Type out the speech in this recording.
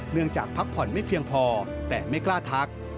จากพักผ่อนไม่เพียงพอแต่ไม่กล้าทัก